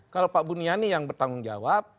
kalau pak buniani yang bertanggung jawab